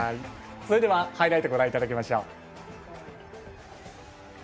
それではハイライトをご覧いただきましょう。